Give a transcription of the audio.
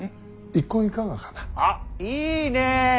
あっいいねえ。